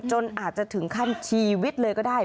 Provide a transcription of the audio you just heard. จนอาจจะถึงขั้นชีวิตเลยก็ได้